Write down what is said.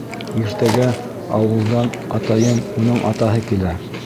Иртәгә... ауылдан атайым... уның атаһы килә...